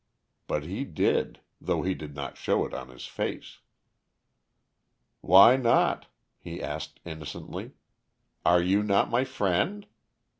But he did, though he did not show it on his face. "Why not?" he asked innocently. "Are you not my friend?